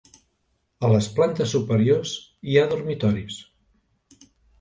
A les plantes superiors hi ha dormitoris.